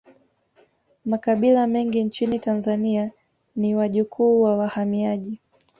Makabila mengi nchini tanzania ni wajukuu wa wahamiaji